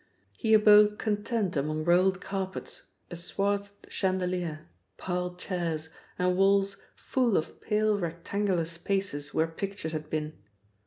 He abode content among rolled carpets, a swathed chandelier, piled chairs, and walls full of pale rectangular spaces where pictures had been.